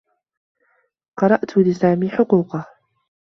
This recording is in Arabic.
قُرأت لسامي حقوقه.